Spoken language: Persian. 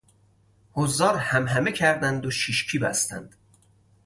حضار همهمه کردند و شیشکی بستند.